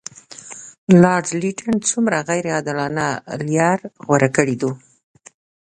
لارډ لیټن څومره غیر عادلانه لار غوره کړې ده.